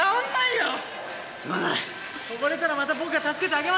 おぼれたらまた僕が助けてあげますから。